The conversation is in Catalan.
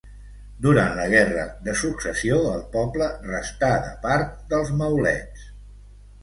Durant la guerra de Successió el poble restà de part dels maulets.